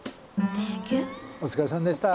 お疲れさまでした。